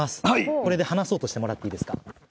これで離そうとしてもらっていいですか？